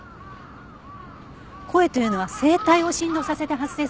声というのは声帯を振動させて発生するものです。